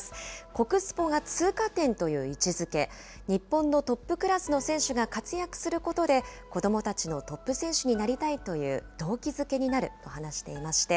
国スポが通過点という位置づけ、日本のトップクラスの選手が活躍することで、子どもたちのトップ選手になりたいという動機づけになると話していまして。